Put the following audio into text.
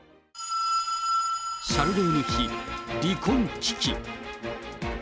シャルレーヌ妃離婚危機。